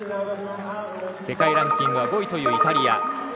世界ランキングは５位というイタリア。